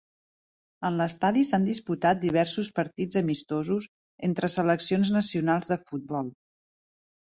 En l'estadi s'han disputat diversos partits amistosos entre seleccions nacionals de futbol.